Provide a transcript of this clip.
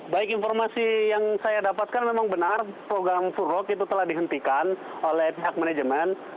baik informasi yang saya dapatkan memang benar program furlok itu telah dihentikan oleh pihak manajemen